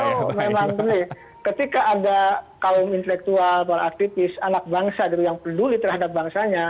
kalau memang begini ketika ada kaum intelektual para aktivis anak bangsa yang peduli terhadap bangsanya